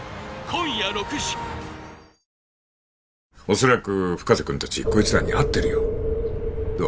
恐らく深瀬君達こいつらに会ってるよどう？